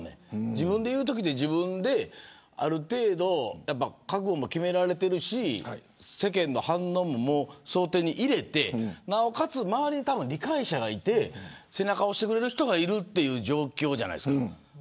自分で言うときは、ある程度覚悟も決められているし世間の反応も想定に入れてなおかつ周りに理解者がいて背中を押してくれる人がいる状況じゃないですか。